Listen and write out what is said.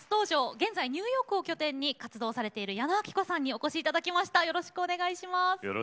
現在、ニューヨークを拠点に活動されている矢野顕子さんにお越しいただきました。